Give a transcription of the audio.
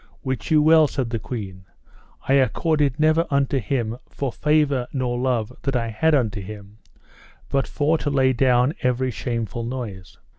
Wit you well, said the queen, I accorded never unto him for favour nor love that I had unto him, but for to lay down every shameful noise.